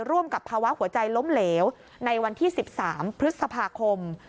ร่วมกับภาวะหัวใจล้มเหลวในวันที่๑๓พฤษภาคม